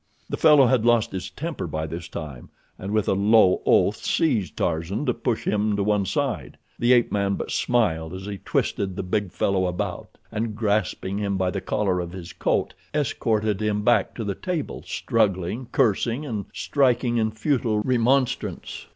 The fellow had lost his temper by this time, and with a low oath seized Tarzan to push him to one side. The ape man but smiled as he twisted the big fellow about and, grasping him by the collar of his coat, escorted him back to the table, struggling, cursing, and striking in futile remonstrance.